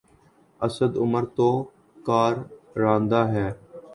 اسد عمر تو کارندہ ہے۔